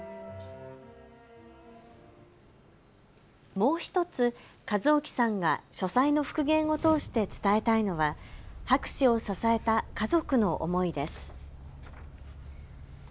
もう１つ、一おきさんが書斎の復元を通して伝えたいのは博士を支えた家族の思いです。